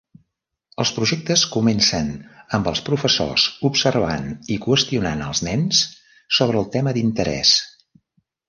Els projectes comencen amb els professors observant i qüestionant els nens sobre el tema d'interès.